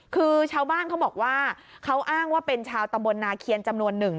คือชาวบ้านเขาบอกว่าเขาอ้างว่าเป็นชาวตำบลนาเคียนจำนวนหนึ่ง